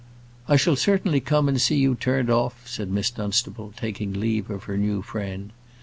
"I shall certainly come and see you turned off," said Miss Dunstable, taking leave of her new friend.